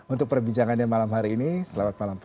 untuk perbincangannya malam hari ini selamat malam pak